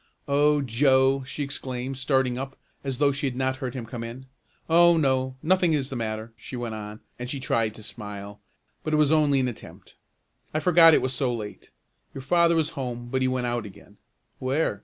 "Oh Joe!" she exclaimed starting up, as though she had not heard him come in. "Oh, no, nothing is the matter," she went on, and she tried to smile, but it was only an attempt. "I forgot it was so late. Your father was home, but he went out again." "Where?"